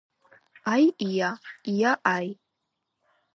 აი ია ია აი